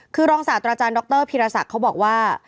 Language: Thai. คือรองศาสตราจารย์ดรพีรศักดิ์เขาบอกว่า